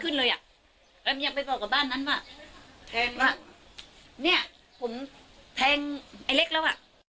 นี่ผมแทงไอ้เล็กแล้ว